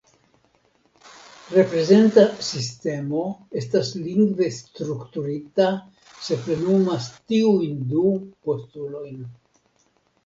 Reprezenta sistemo estas lingve strukturita se plenumas tiujn du postulojn.